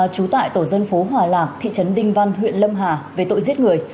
trú tại tổ dân phố hòa lạc thị trấn đinh văn huyện lâm hà về tội giết người